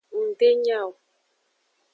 Ng de nya o.